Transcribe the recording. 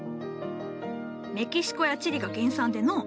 メキシコやチリが原産でのう。